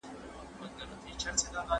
که د منظور پښتین